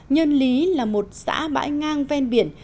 nhân lý là một xã bãi ngang ven biển